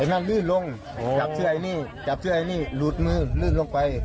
นั่นลื่นลงจับเสื้อไอ้นี่จับเสื้อไอ้นี่หลุดมือลื่นลงไป